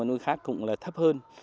và nuôi khác cũng là thấp hơn